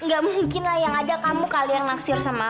gak mungkin lah yang ada kamu kali yang naksir sama